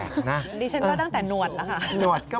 ดิฉันก็ตั้งแต่หนวดนะคะ